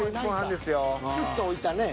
スッと置いたね。